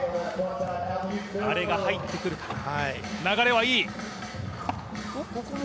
あれが入ってくるか、流れはいい。